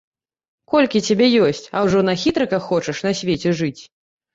Колькі цябе ёсць, а ўжо на хітрыках хочаш на свеце жыць!